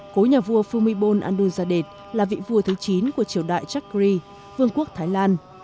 cố nhà vua phumibol adunzadit là vị vua thứ chín của triều đại chakri vương quốc thái lan